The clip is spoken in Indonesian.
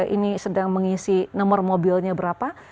ini sedang mengisi nomor mobilnya berapa